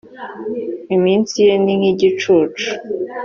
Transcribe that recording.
iminsi ye ni nk igicucu